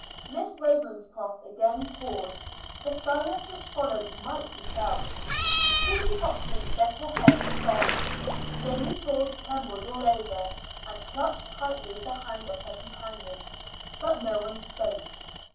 Miss Ravenscroft again paused. The silence which followed might be felt. Susy Hopkins bent her head and sobbed. Janey Ford trembled all over, and clutched tightly the hand of her companion. But no one spoke.